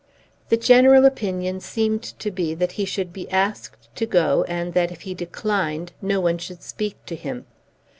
The general opinion seemed to be that he should be asked to go, and that, if he declined, no one should speak to him.